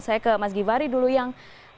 saya ke mas givhary dulu yang